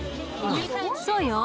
そうよ。